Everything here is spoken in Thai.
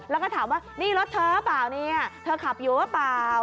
แล้วก็ถามว่านี่รถเธอหรือเปล่าเนี่ยเธอขับอยู่หรือเปล่า